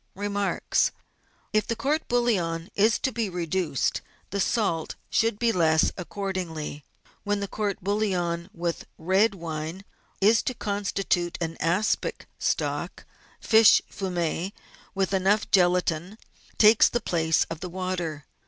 Remarks. — If the court bouillon is to be reduced, the salt should be less accordingly. When the court bouillon with red wine is to constitute an aspic stock, fish fumet with enough gelatine takes the place of the water.